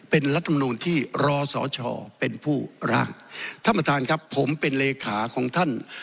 เป็นรัฐมนูลที่รอสอชอเป็นผู้ร่างท่านประธานครับผมเป็นเลขาของท่าน